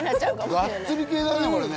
ガッツリ系だねこれね。